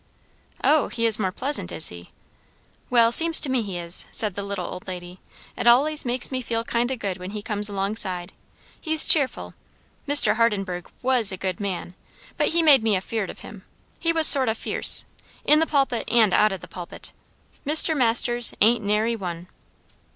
"Oh, he is more pleasant, is he?" "Well, seems to me he is," said the little old lady. "It allays makes me feel kind o' good when he comes alongside. He's cheerful. Mr. Hardenburgh was a good man, but he made me afeard of him; he was sort o' fierce, in the pulpit and out o' the pulpit. Mr. Masters ain't nary one."